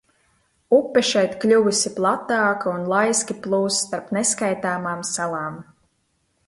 Upe šeit kļuvusi platāka un laiski plūst starp neskaitāmām salām.